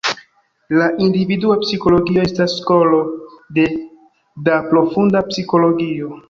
La individua psikologio estas skolo de da profunda psikologio.